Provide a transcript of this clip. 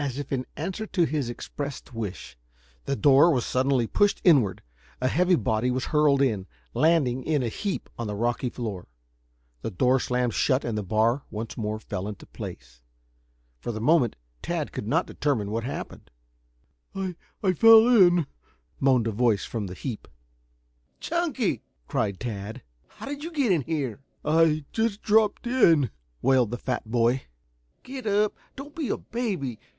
As if in answer to his expressed wish, the door was suddenly pushed inward, a heavy body was hurled in, landing in a heap on the rocky floor. The door slammed shut and the bar once more fell into place. For the moment Tad could not determine what had happened. "I I fell in," moaned a voice from the heap. "Chunky!" cried Tad. "How did you get in here?" "I just dropped in," wailed the fat boy. "Get up! Don't be a baby!